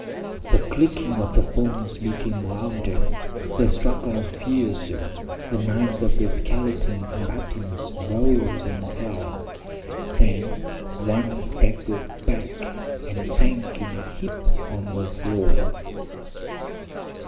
The clicking of the bones became louder, the struggle fiercer, the knives of the skeleton combatants rose and fell. Then one staggered back and sank in a heap on the floor.